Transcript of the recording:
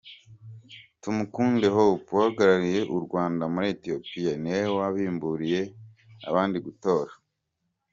Tumukunde Hope uhagarariye u Rwanda muri Ethiopie niwe wabimburiye abandi gutora.